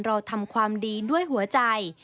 เราทำความดีด้วยหัวใจ